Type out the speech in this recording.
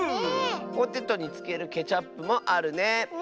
ポテトにつけるケチャップもあるね。